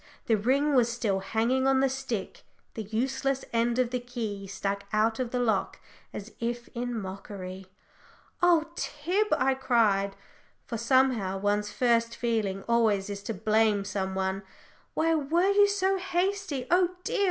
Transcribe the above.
the ring was still hanging on the stick; the useless end of the key stuck out of the lock as if in mockery. "Oh, Tib!" I cried, for somehow one's first feeling always is to blame some one, "why were you so hasty? Oh dear!